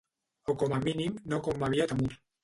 O com a mínim no com m'havia temut.